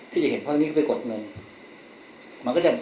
ที่จะเห็นเพราะว่าตอนนี้เข้าไปกดเงิน